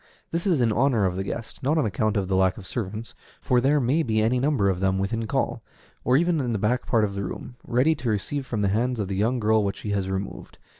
This is in honor of the guest, not on account of the lack of servants, for there may be any number of them within call, or even in the back part of the room, ready to receive from the hands of the young girl what she has removed.